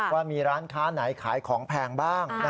ว่ามีร้านค้าไหนขายของแพงบ้าง